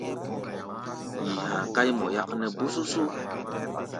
Yi ha̧a̧ káí mɔ yáknɛ́ bósósó.